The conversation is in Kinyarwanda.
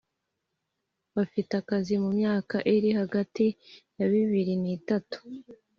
Bafite akazi mu myaka iri hagati y’ ibibiri n’itatu